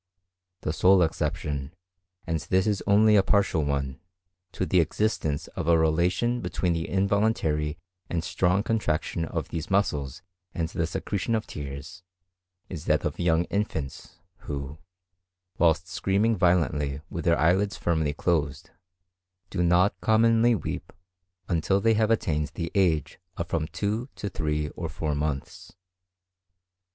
The sole exception, and this is only a partial one, to the existence of a relation between the involuntary and strong contraction of these muscles and the secretion of tears is that of young infants, who, whilst screaming violently with their eyelids firmly closed, do not commonly weep until they have attained the age of from two to three or four months.